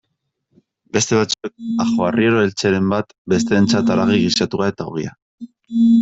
Beste batzuek ajoarriero eltzeren bat, besteentzat haragi gisatua eta ogia.